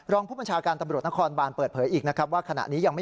รองผู้ประชาการตำรวจนครบานเปิดเผยอีกนะครับ